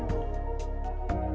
dalam gerbang kereta